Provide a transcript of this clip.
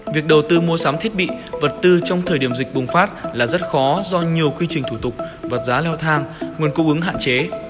việc đầu tư mua sắm thiết bị vật tư trong thời điểm dịch bùng phát là rất khó do nhiều quy trình thủ tục và giá leo thang nguồn cung ứng hạn chế